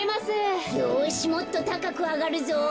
よしもっとたかくあがるぞ。